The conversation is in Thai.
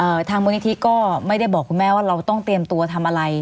ทางมูลนิธิก็ไม่ได้บอกคุณแม่ว่าเราต้องเตรียมตัวทำอะไร